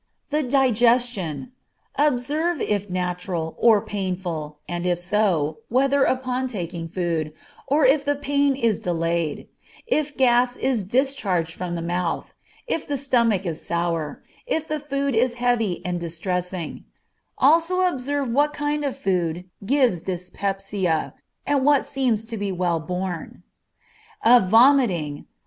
The digestion. Observe if natural, or painful, and if so, whether upon taking food, or if the pain is delayed; if gas is discharged from the mouth, if the stomach is sour, if the food is heavy and distressing; also observe what kinds of food give dyspepsia, and what seem to be well borne. Of vomiting.